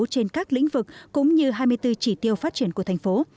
trên các lĩnh vực cũng như hai mươi bốn chỉ tiêu phát triển của thành phố